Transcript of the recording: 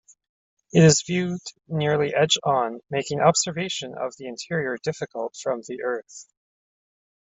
It is viewed nearly edge-on, making observation of the interior difficult from the Earth.